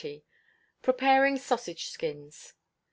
Preparing Sausage Skins.